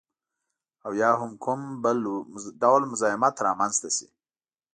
او یا هم کوم بل ډول مزاحمت رامنځته شي